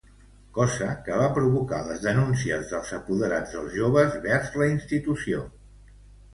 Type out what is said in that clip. Cosa que va provocar les denúncies dels apoderats dels joves vers la institució.